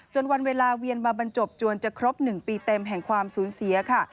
วันเวลาเวียนมาบรรจบจวนจะครบ๑ปีเต็มแห่งความสูญเสียค่ะ